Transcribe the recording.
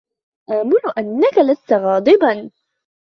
آمُل أنكَ لست غاضباً.